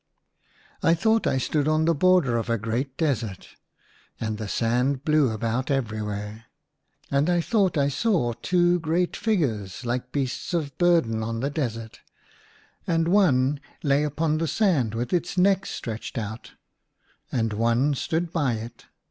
I thought I stood on the border of a great desert, and the sand blew about everywhere. And I thought I saw two great figures like beasts of burden of the desert, and one lay upon the sand with its neck stretched out, and one stood by it.